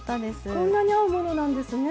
こんなに合うものなんですね。